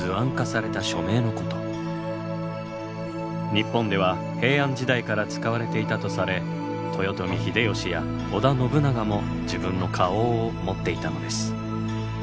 日本では平安時代から使われていたとされ豊臣秀吉や織田信長も自分の花押を持っていたのです。